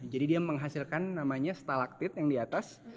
jadi dia menghasilkan namanya stalaktit yang di atas